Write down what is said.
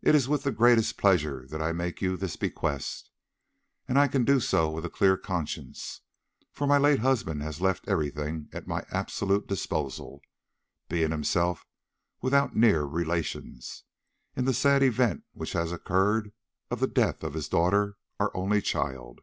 It is with the greatest pleasure that I make you this bequest, and I can do so with a clear conscience, for my late husband has left everything at my absolute disposal—being himself without near relations—in the sad event which has occurred, of the death of his daughter, our only child.